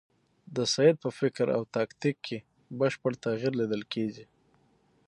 د سید په فکر او تاکتیک کې بشپړ تغییر لیدل کېږي.